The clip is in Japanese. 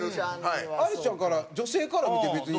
蛍原：アリスちゃんから女性から見て、別に。